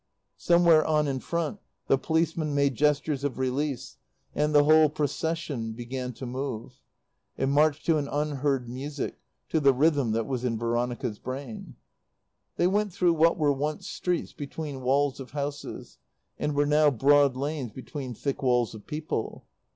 Somewhere on in front the policemen made gestures of release, and the whole Procession began to move. It marched to an unheard music, to the rhythm that was in Veronica's brain. They went through what were once streets between walls of houses, and were now broad lanes between thick walls of people.